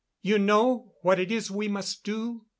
"You know what it is we must do?"